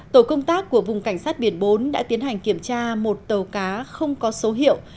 tổ công tác của vùng cảnh sát biển bốn đã tiến hành kiểm tra một tàu cá không có số hiệu